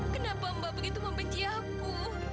kenapa mbak begitu membenci aku